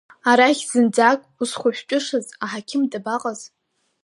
Арахь зынӡак узхәышәтәышаз аҳақьым дабаҟаз.